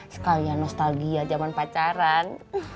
sekalian nostalgia jaman pacaran